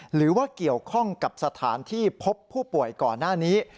หรือว่าเกี่ยวข้องกับสถานที่พบผู้ป่วยก่อนหน้านี้